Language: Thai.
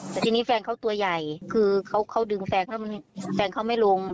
แต่ทีนี้แฟนเขาตัวใหญ่คือเขาดึงแฟนแล้วแฟนเขาไม่ลง